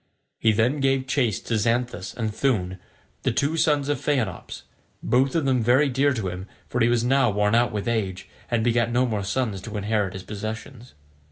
He then gave chase to Xanthus and Thoon, the two sons of Phaenops, both of them very dear to him, for he was now worn out with age, and begat no more sons to inherit his possessions.